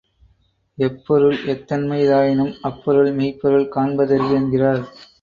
எப்பொருள் எத்தன்மைத் தாயினும் அப்பொருள் மெய்ப்பொருள் காண்பதறிவு என்கிறார்.